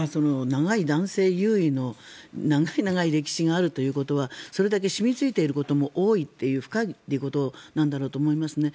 長い男性優位の長い長い歴史があるということはそれだけ染みついていることも多いという深いということなんだろうと思いますね。